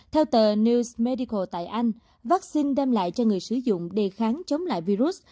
theo tờ news medical tại anh vaccine đem lại cho người sử dụng đề kháng chống lại virus